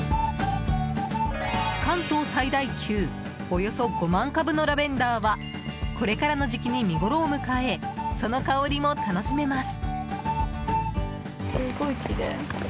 関東最大級およそ５万株のラベンダーはこれからの時期に見ごろを迎えその香りも楽しめます。